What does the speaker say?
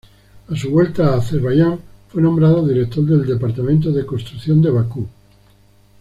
A su vuelta a Azerbaiyán fue nombrado director del departamento de construcción de Bakú.